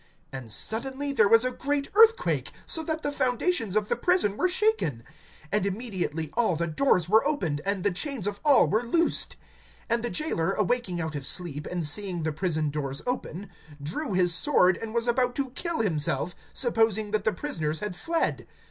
(26)And suddenly there was a great earthquake, so that the foundations of the prison were shaken; and immediately all the doors were opened, and the chains of all were loosed. (27)And the jailer, awaking out of sleep, and seeing the prison doors open, drew his sword, and was about to kill himself, supposing that the prisoners had fled.